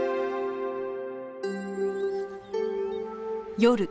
夜。